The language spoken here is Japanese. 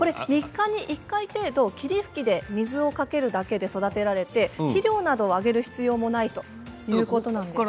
３日に１回程度霧吹きで水をかけるだけで育てられて肥料などをあげる必要もないということなんです。